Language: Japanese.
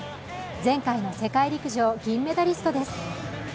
前回の世界陸上銀メダリストです。